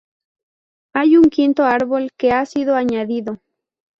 Hay un quinto árbol que ha sido añadido.